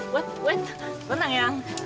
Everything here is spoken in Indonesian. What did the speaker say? what what tenang yang